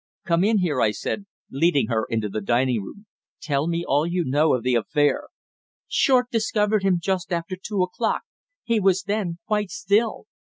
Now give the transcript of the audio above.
"Come in here," I said, leading her into the dining room. "Tell me all you know of the affair." "Short discovered him just after two o'clock. He was then quite still."